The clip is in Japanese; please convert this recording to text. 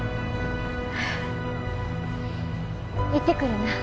行ってくるな。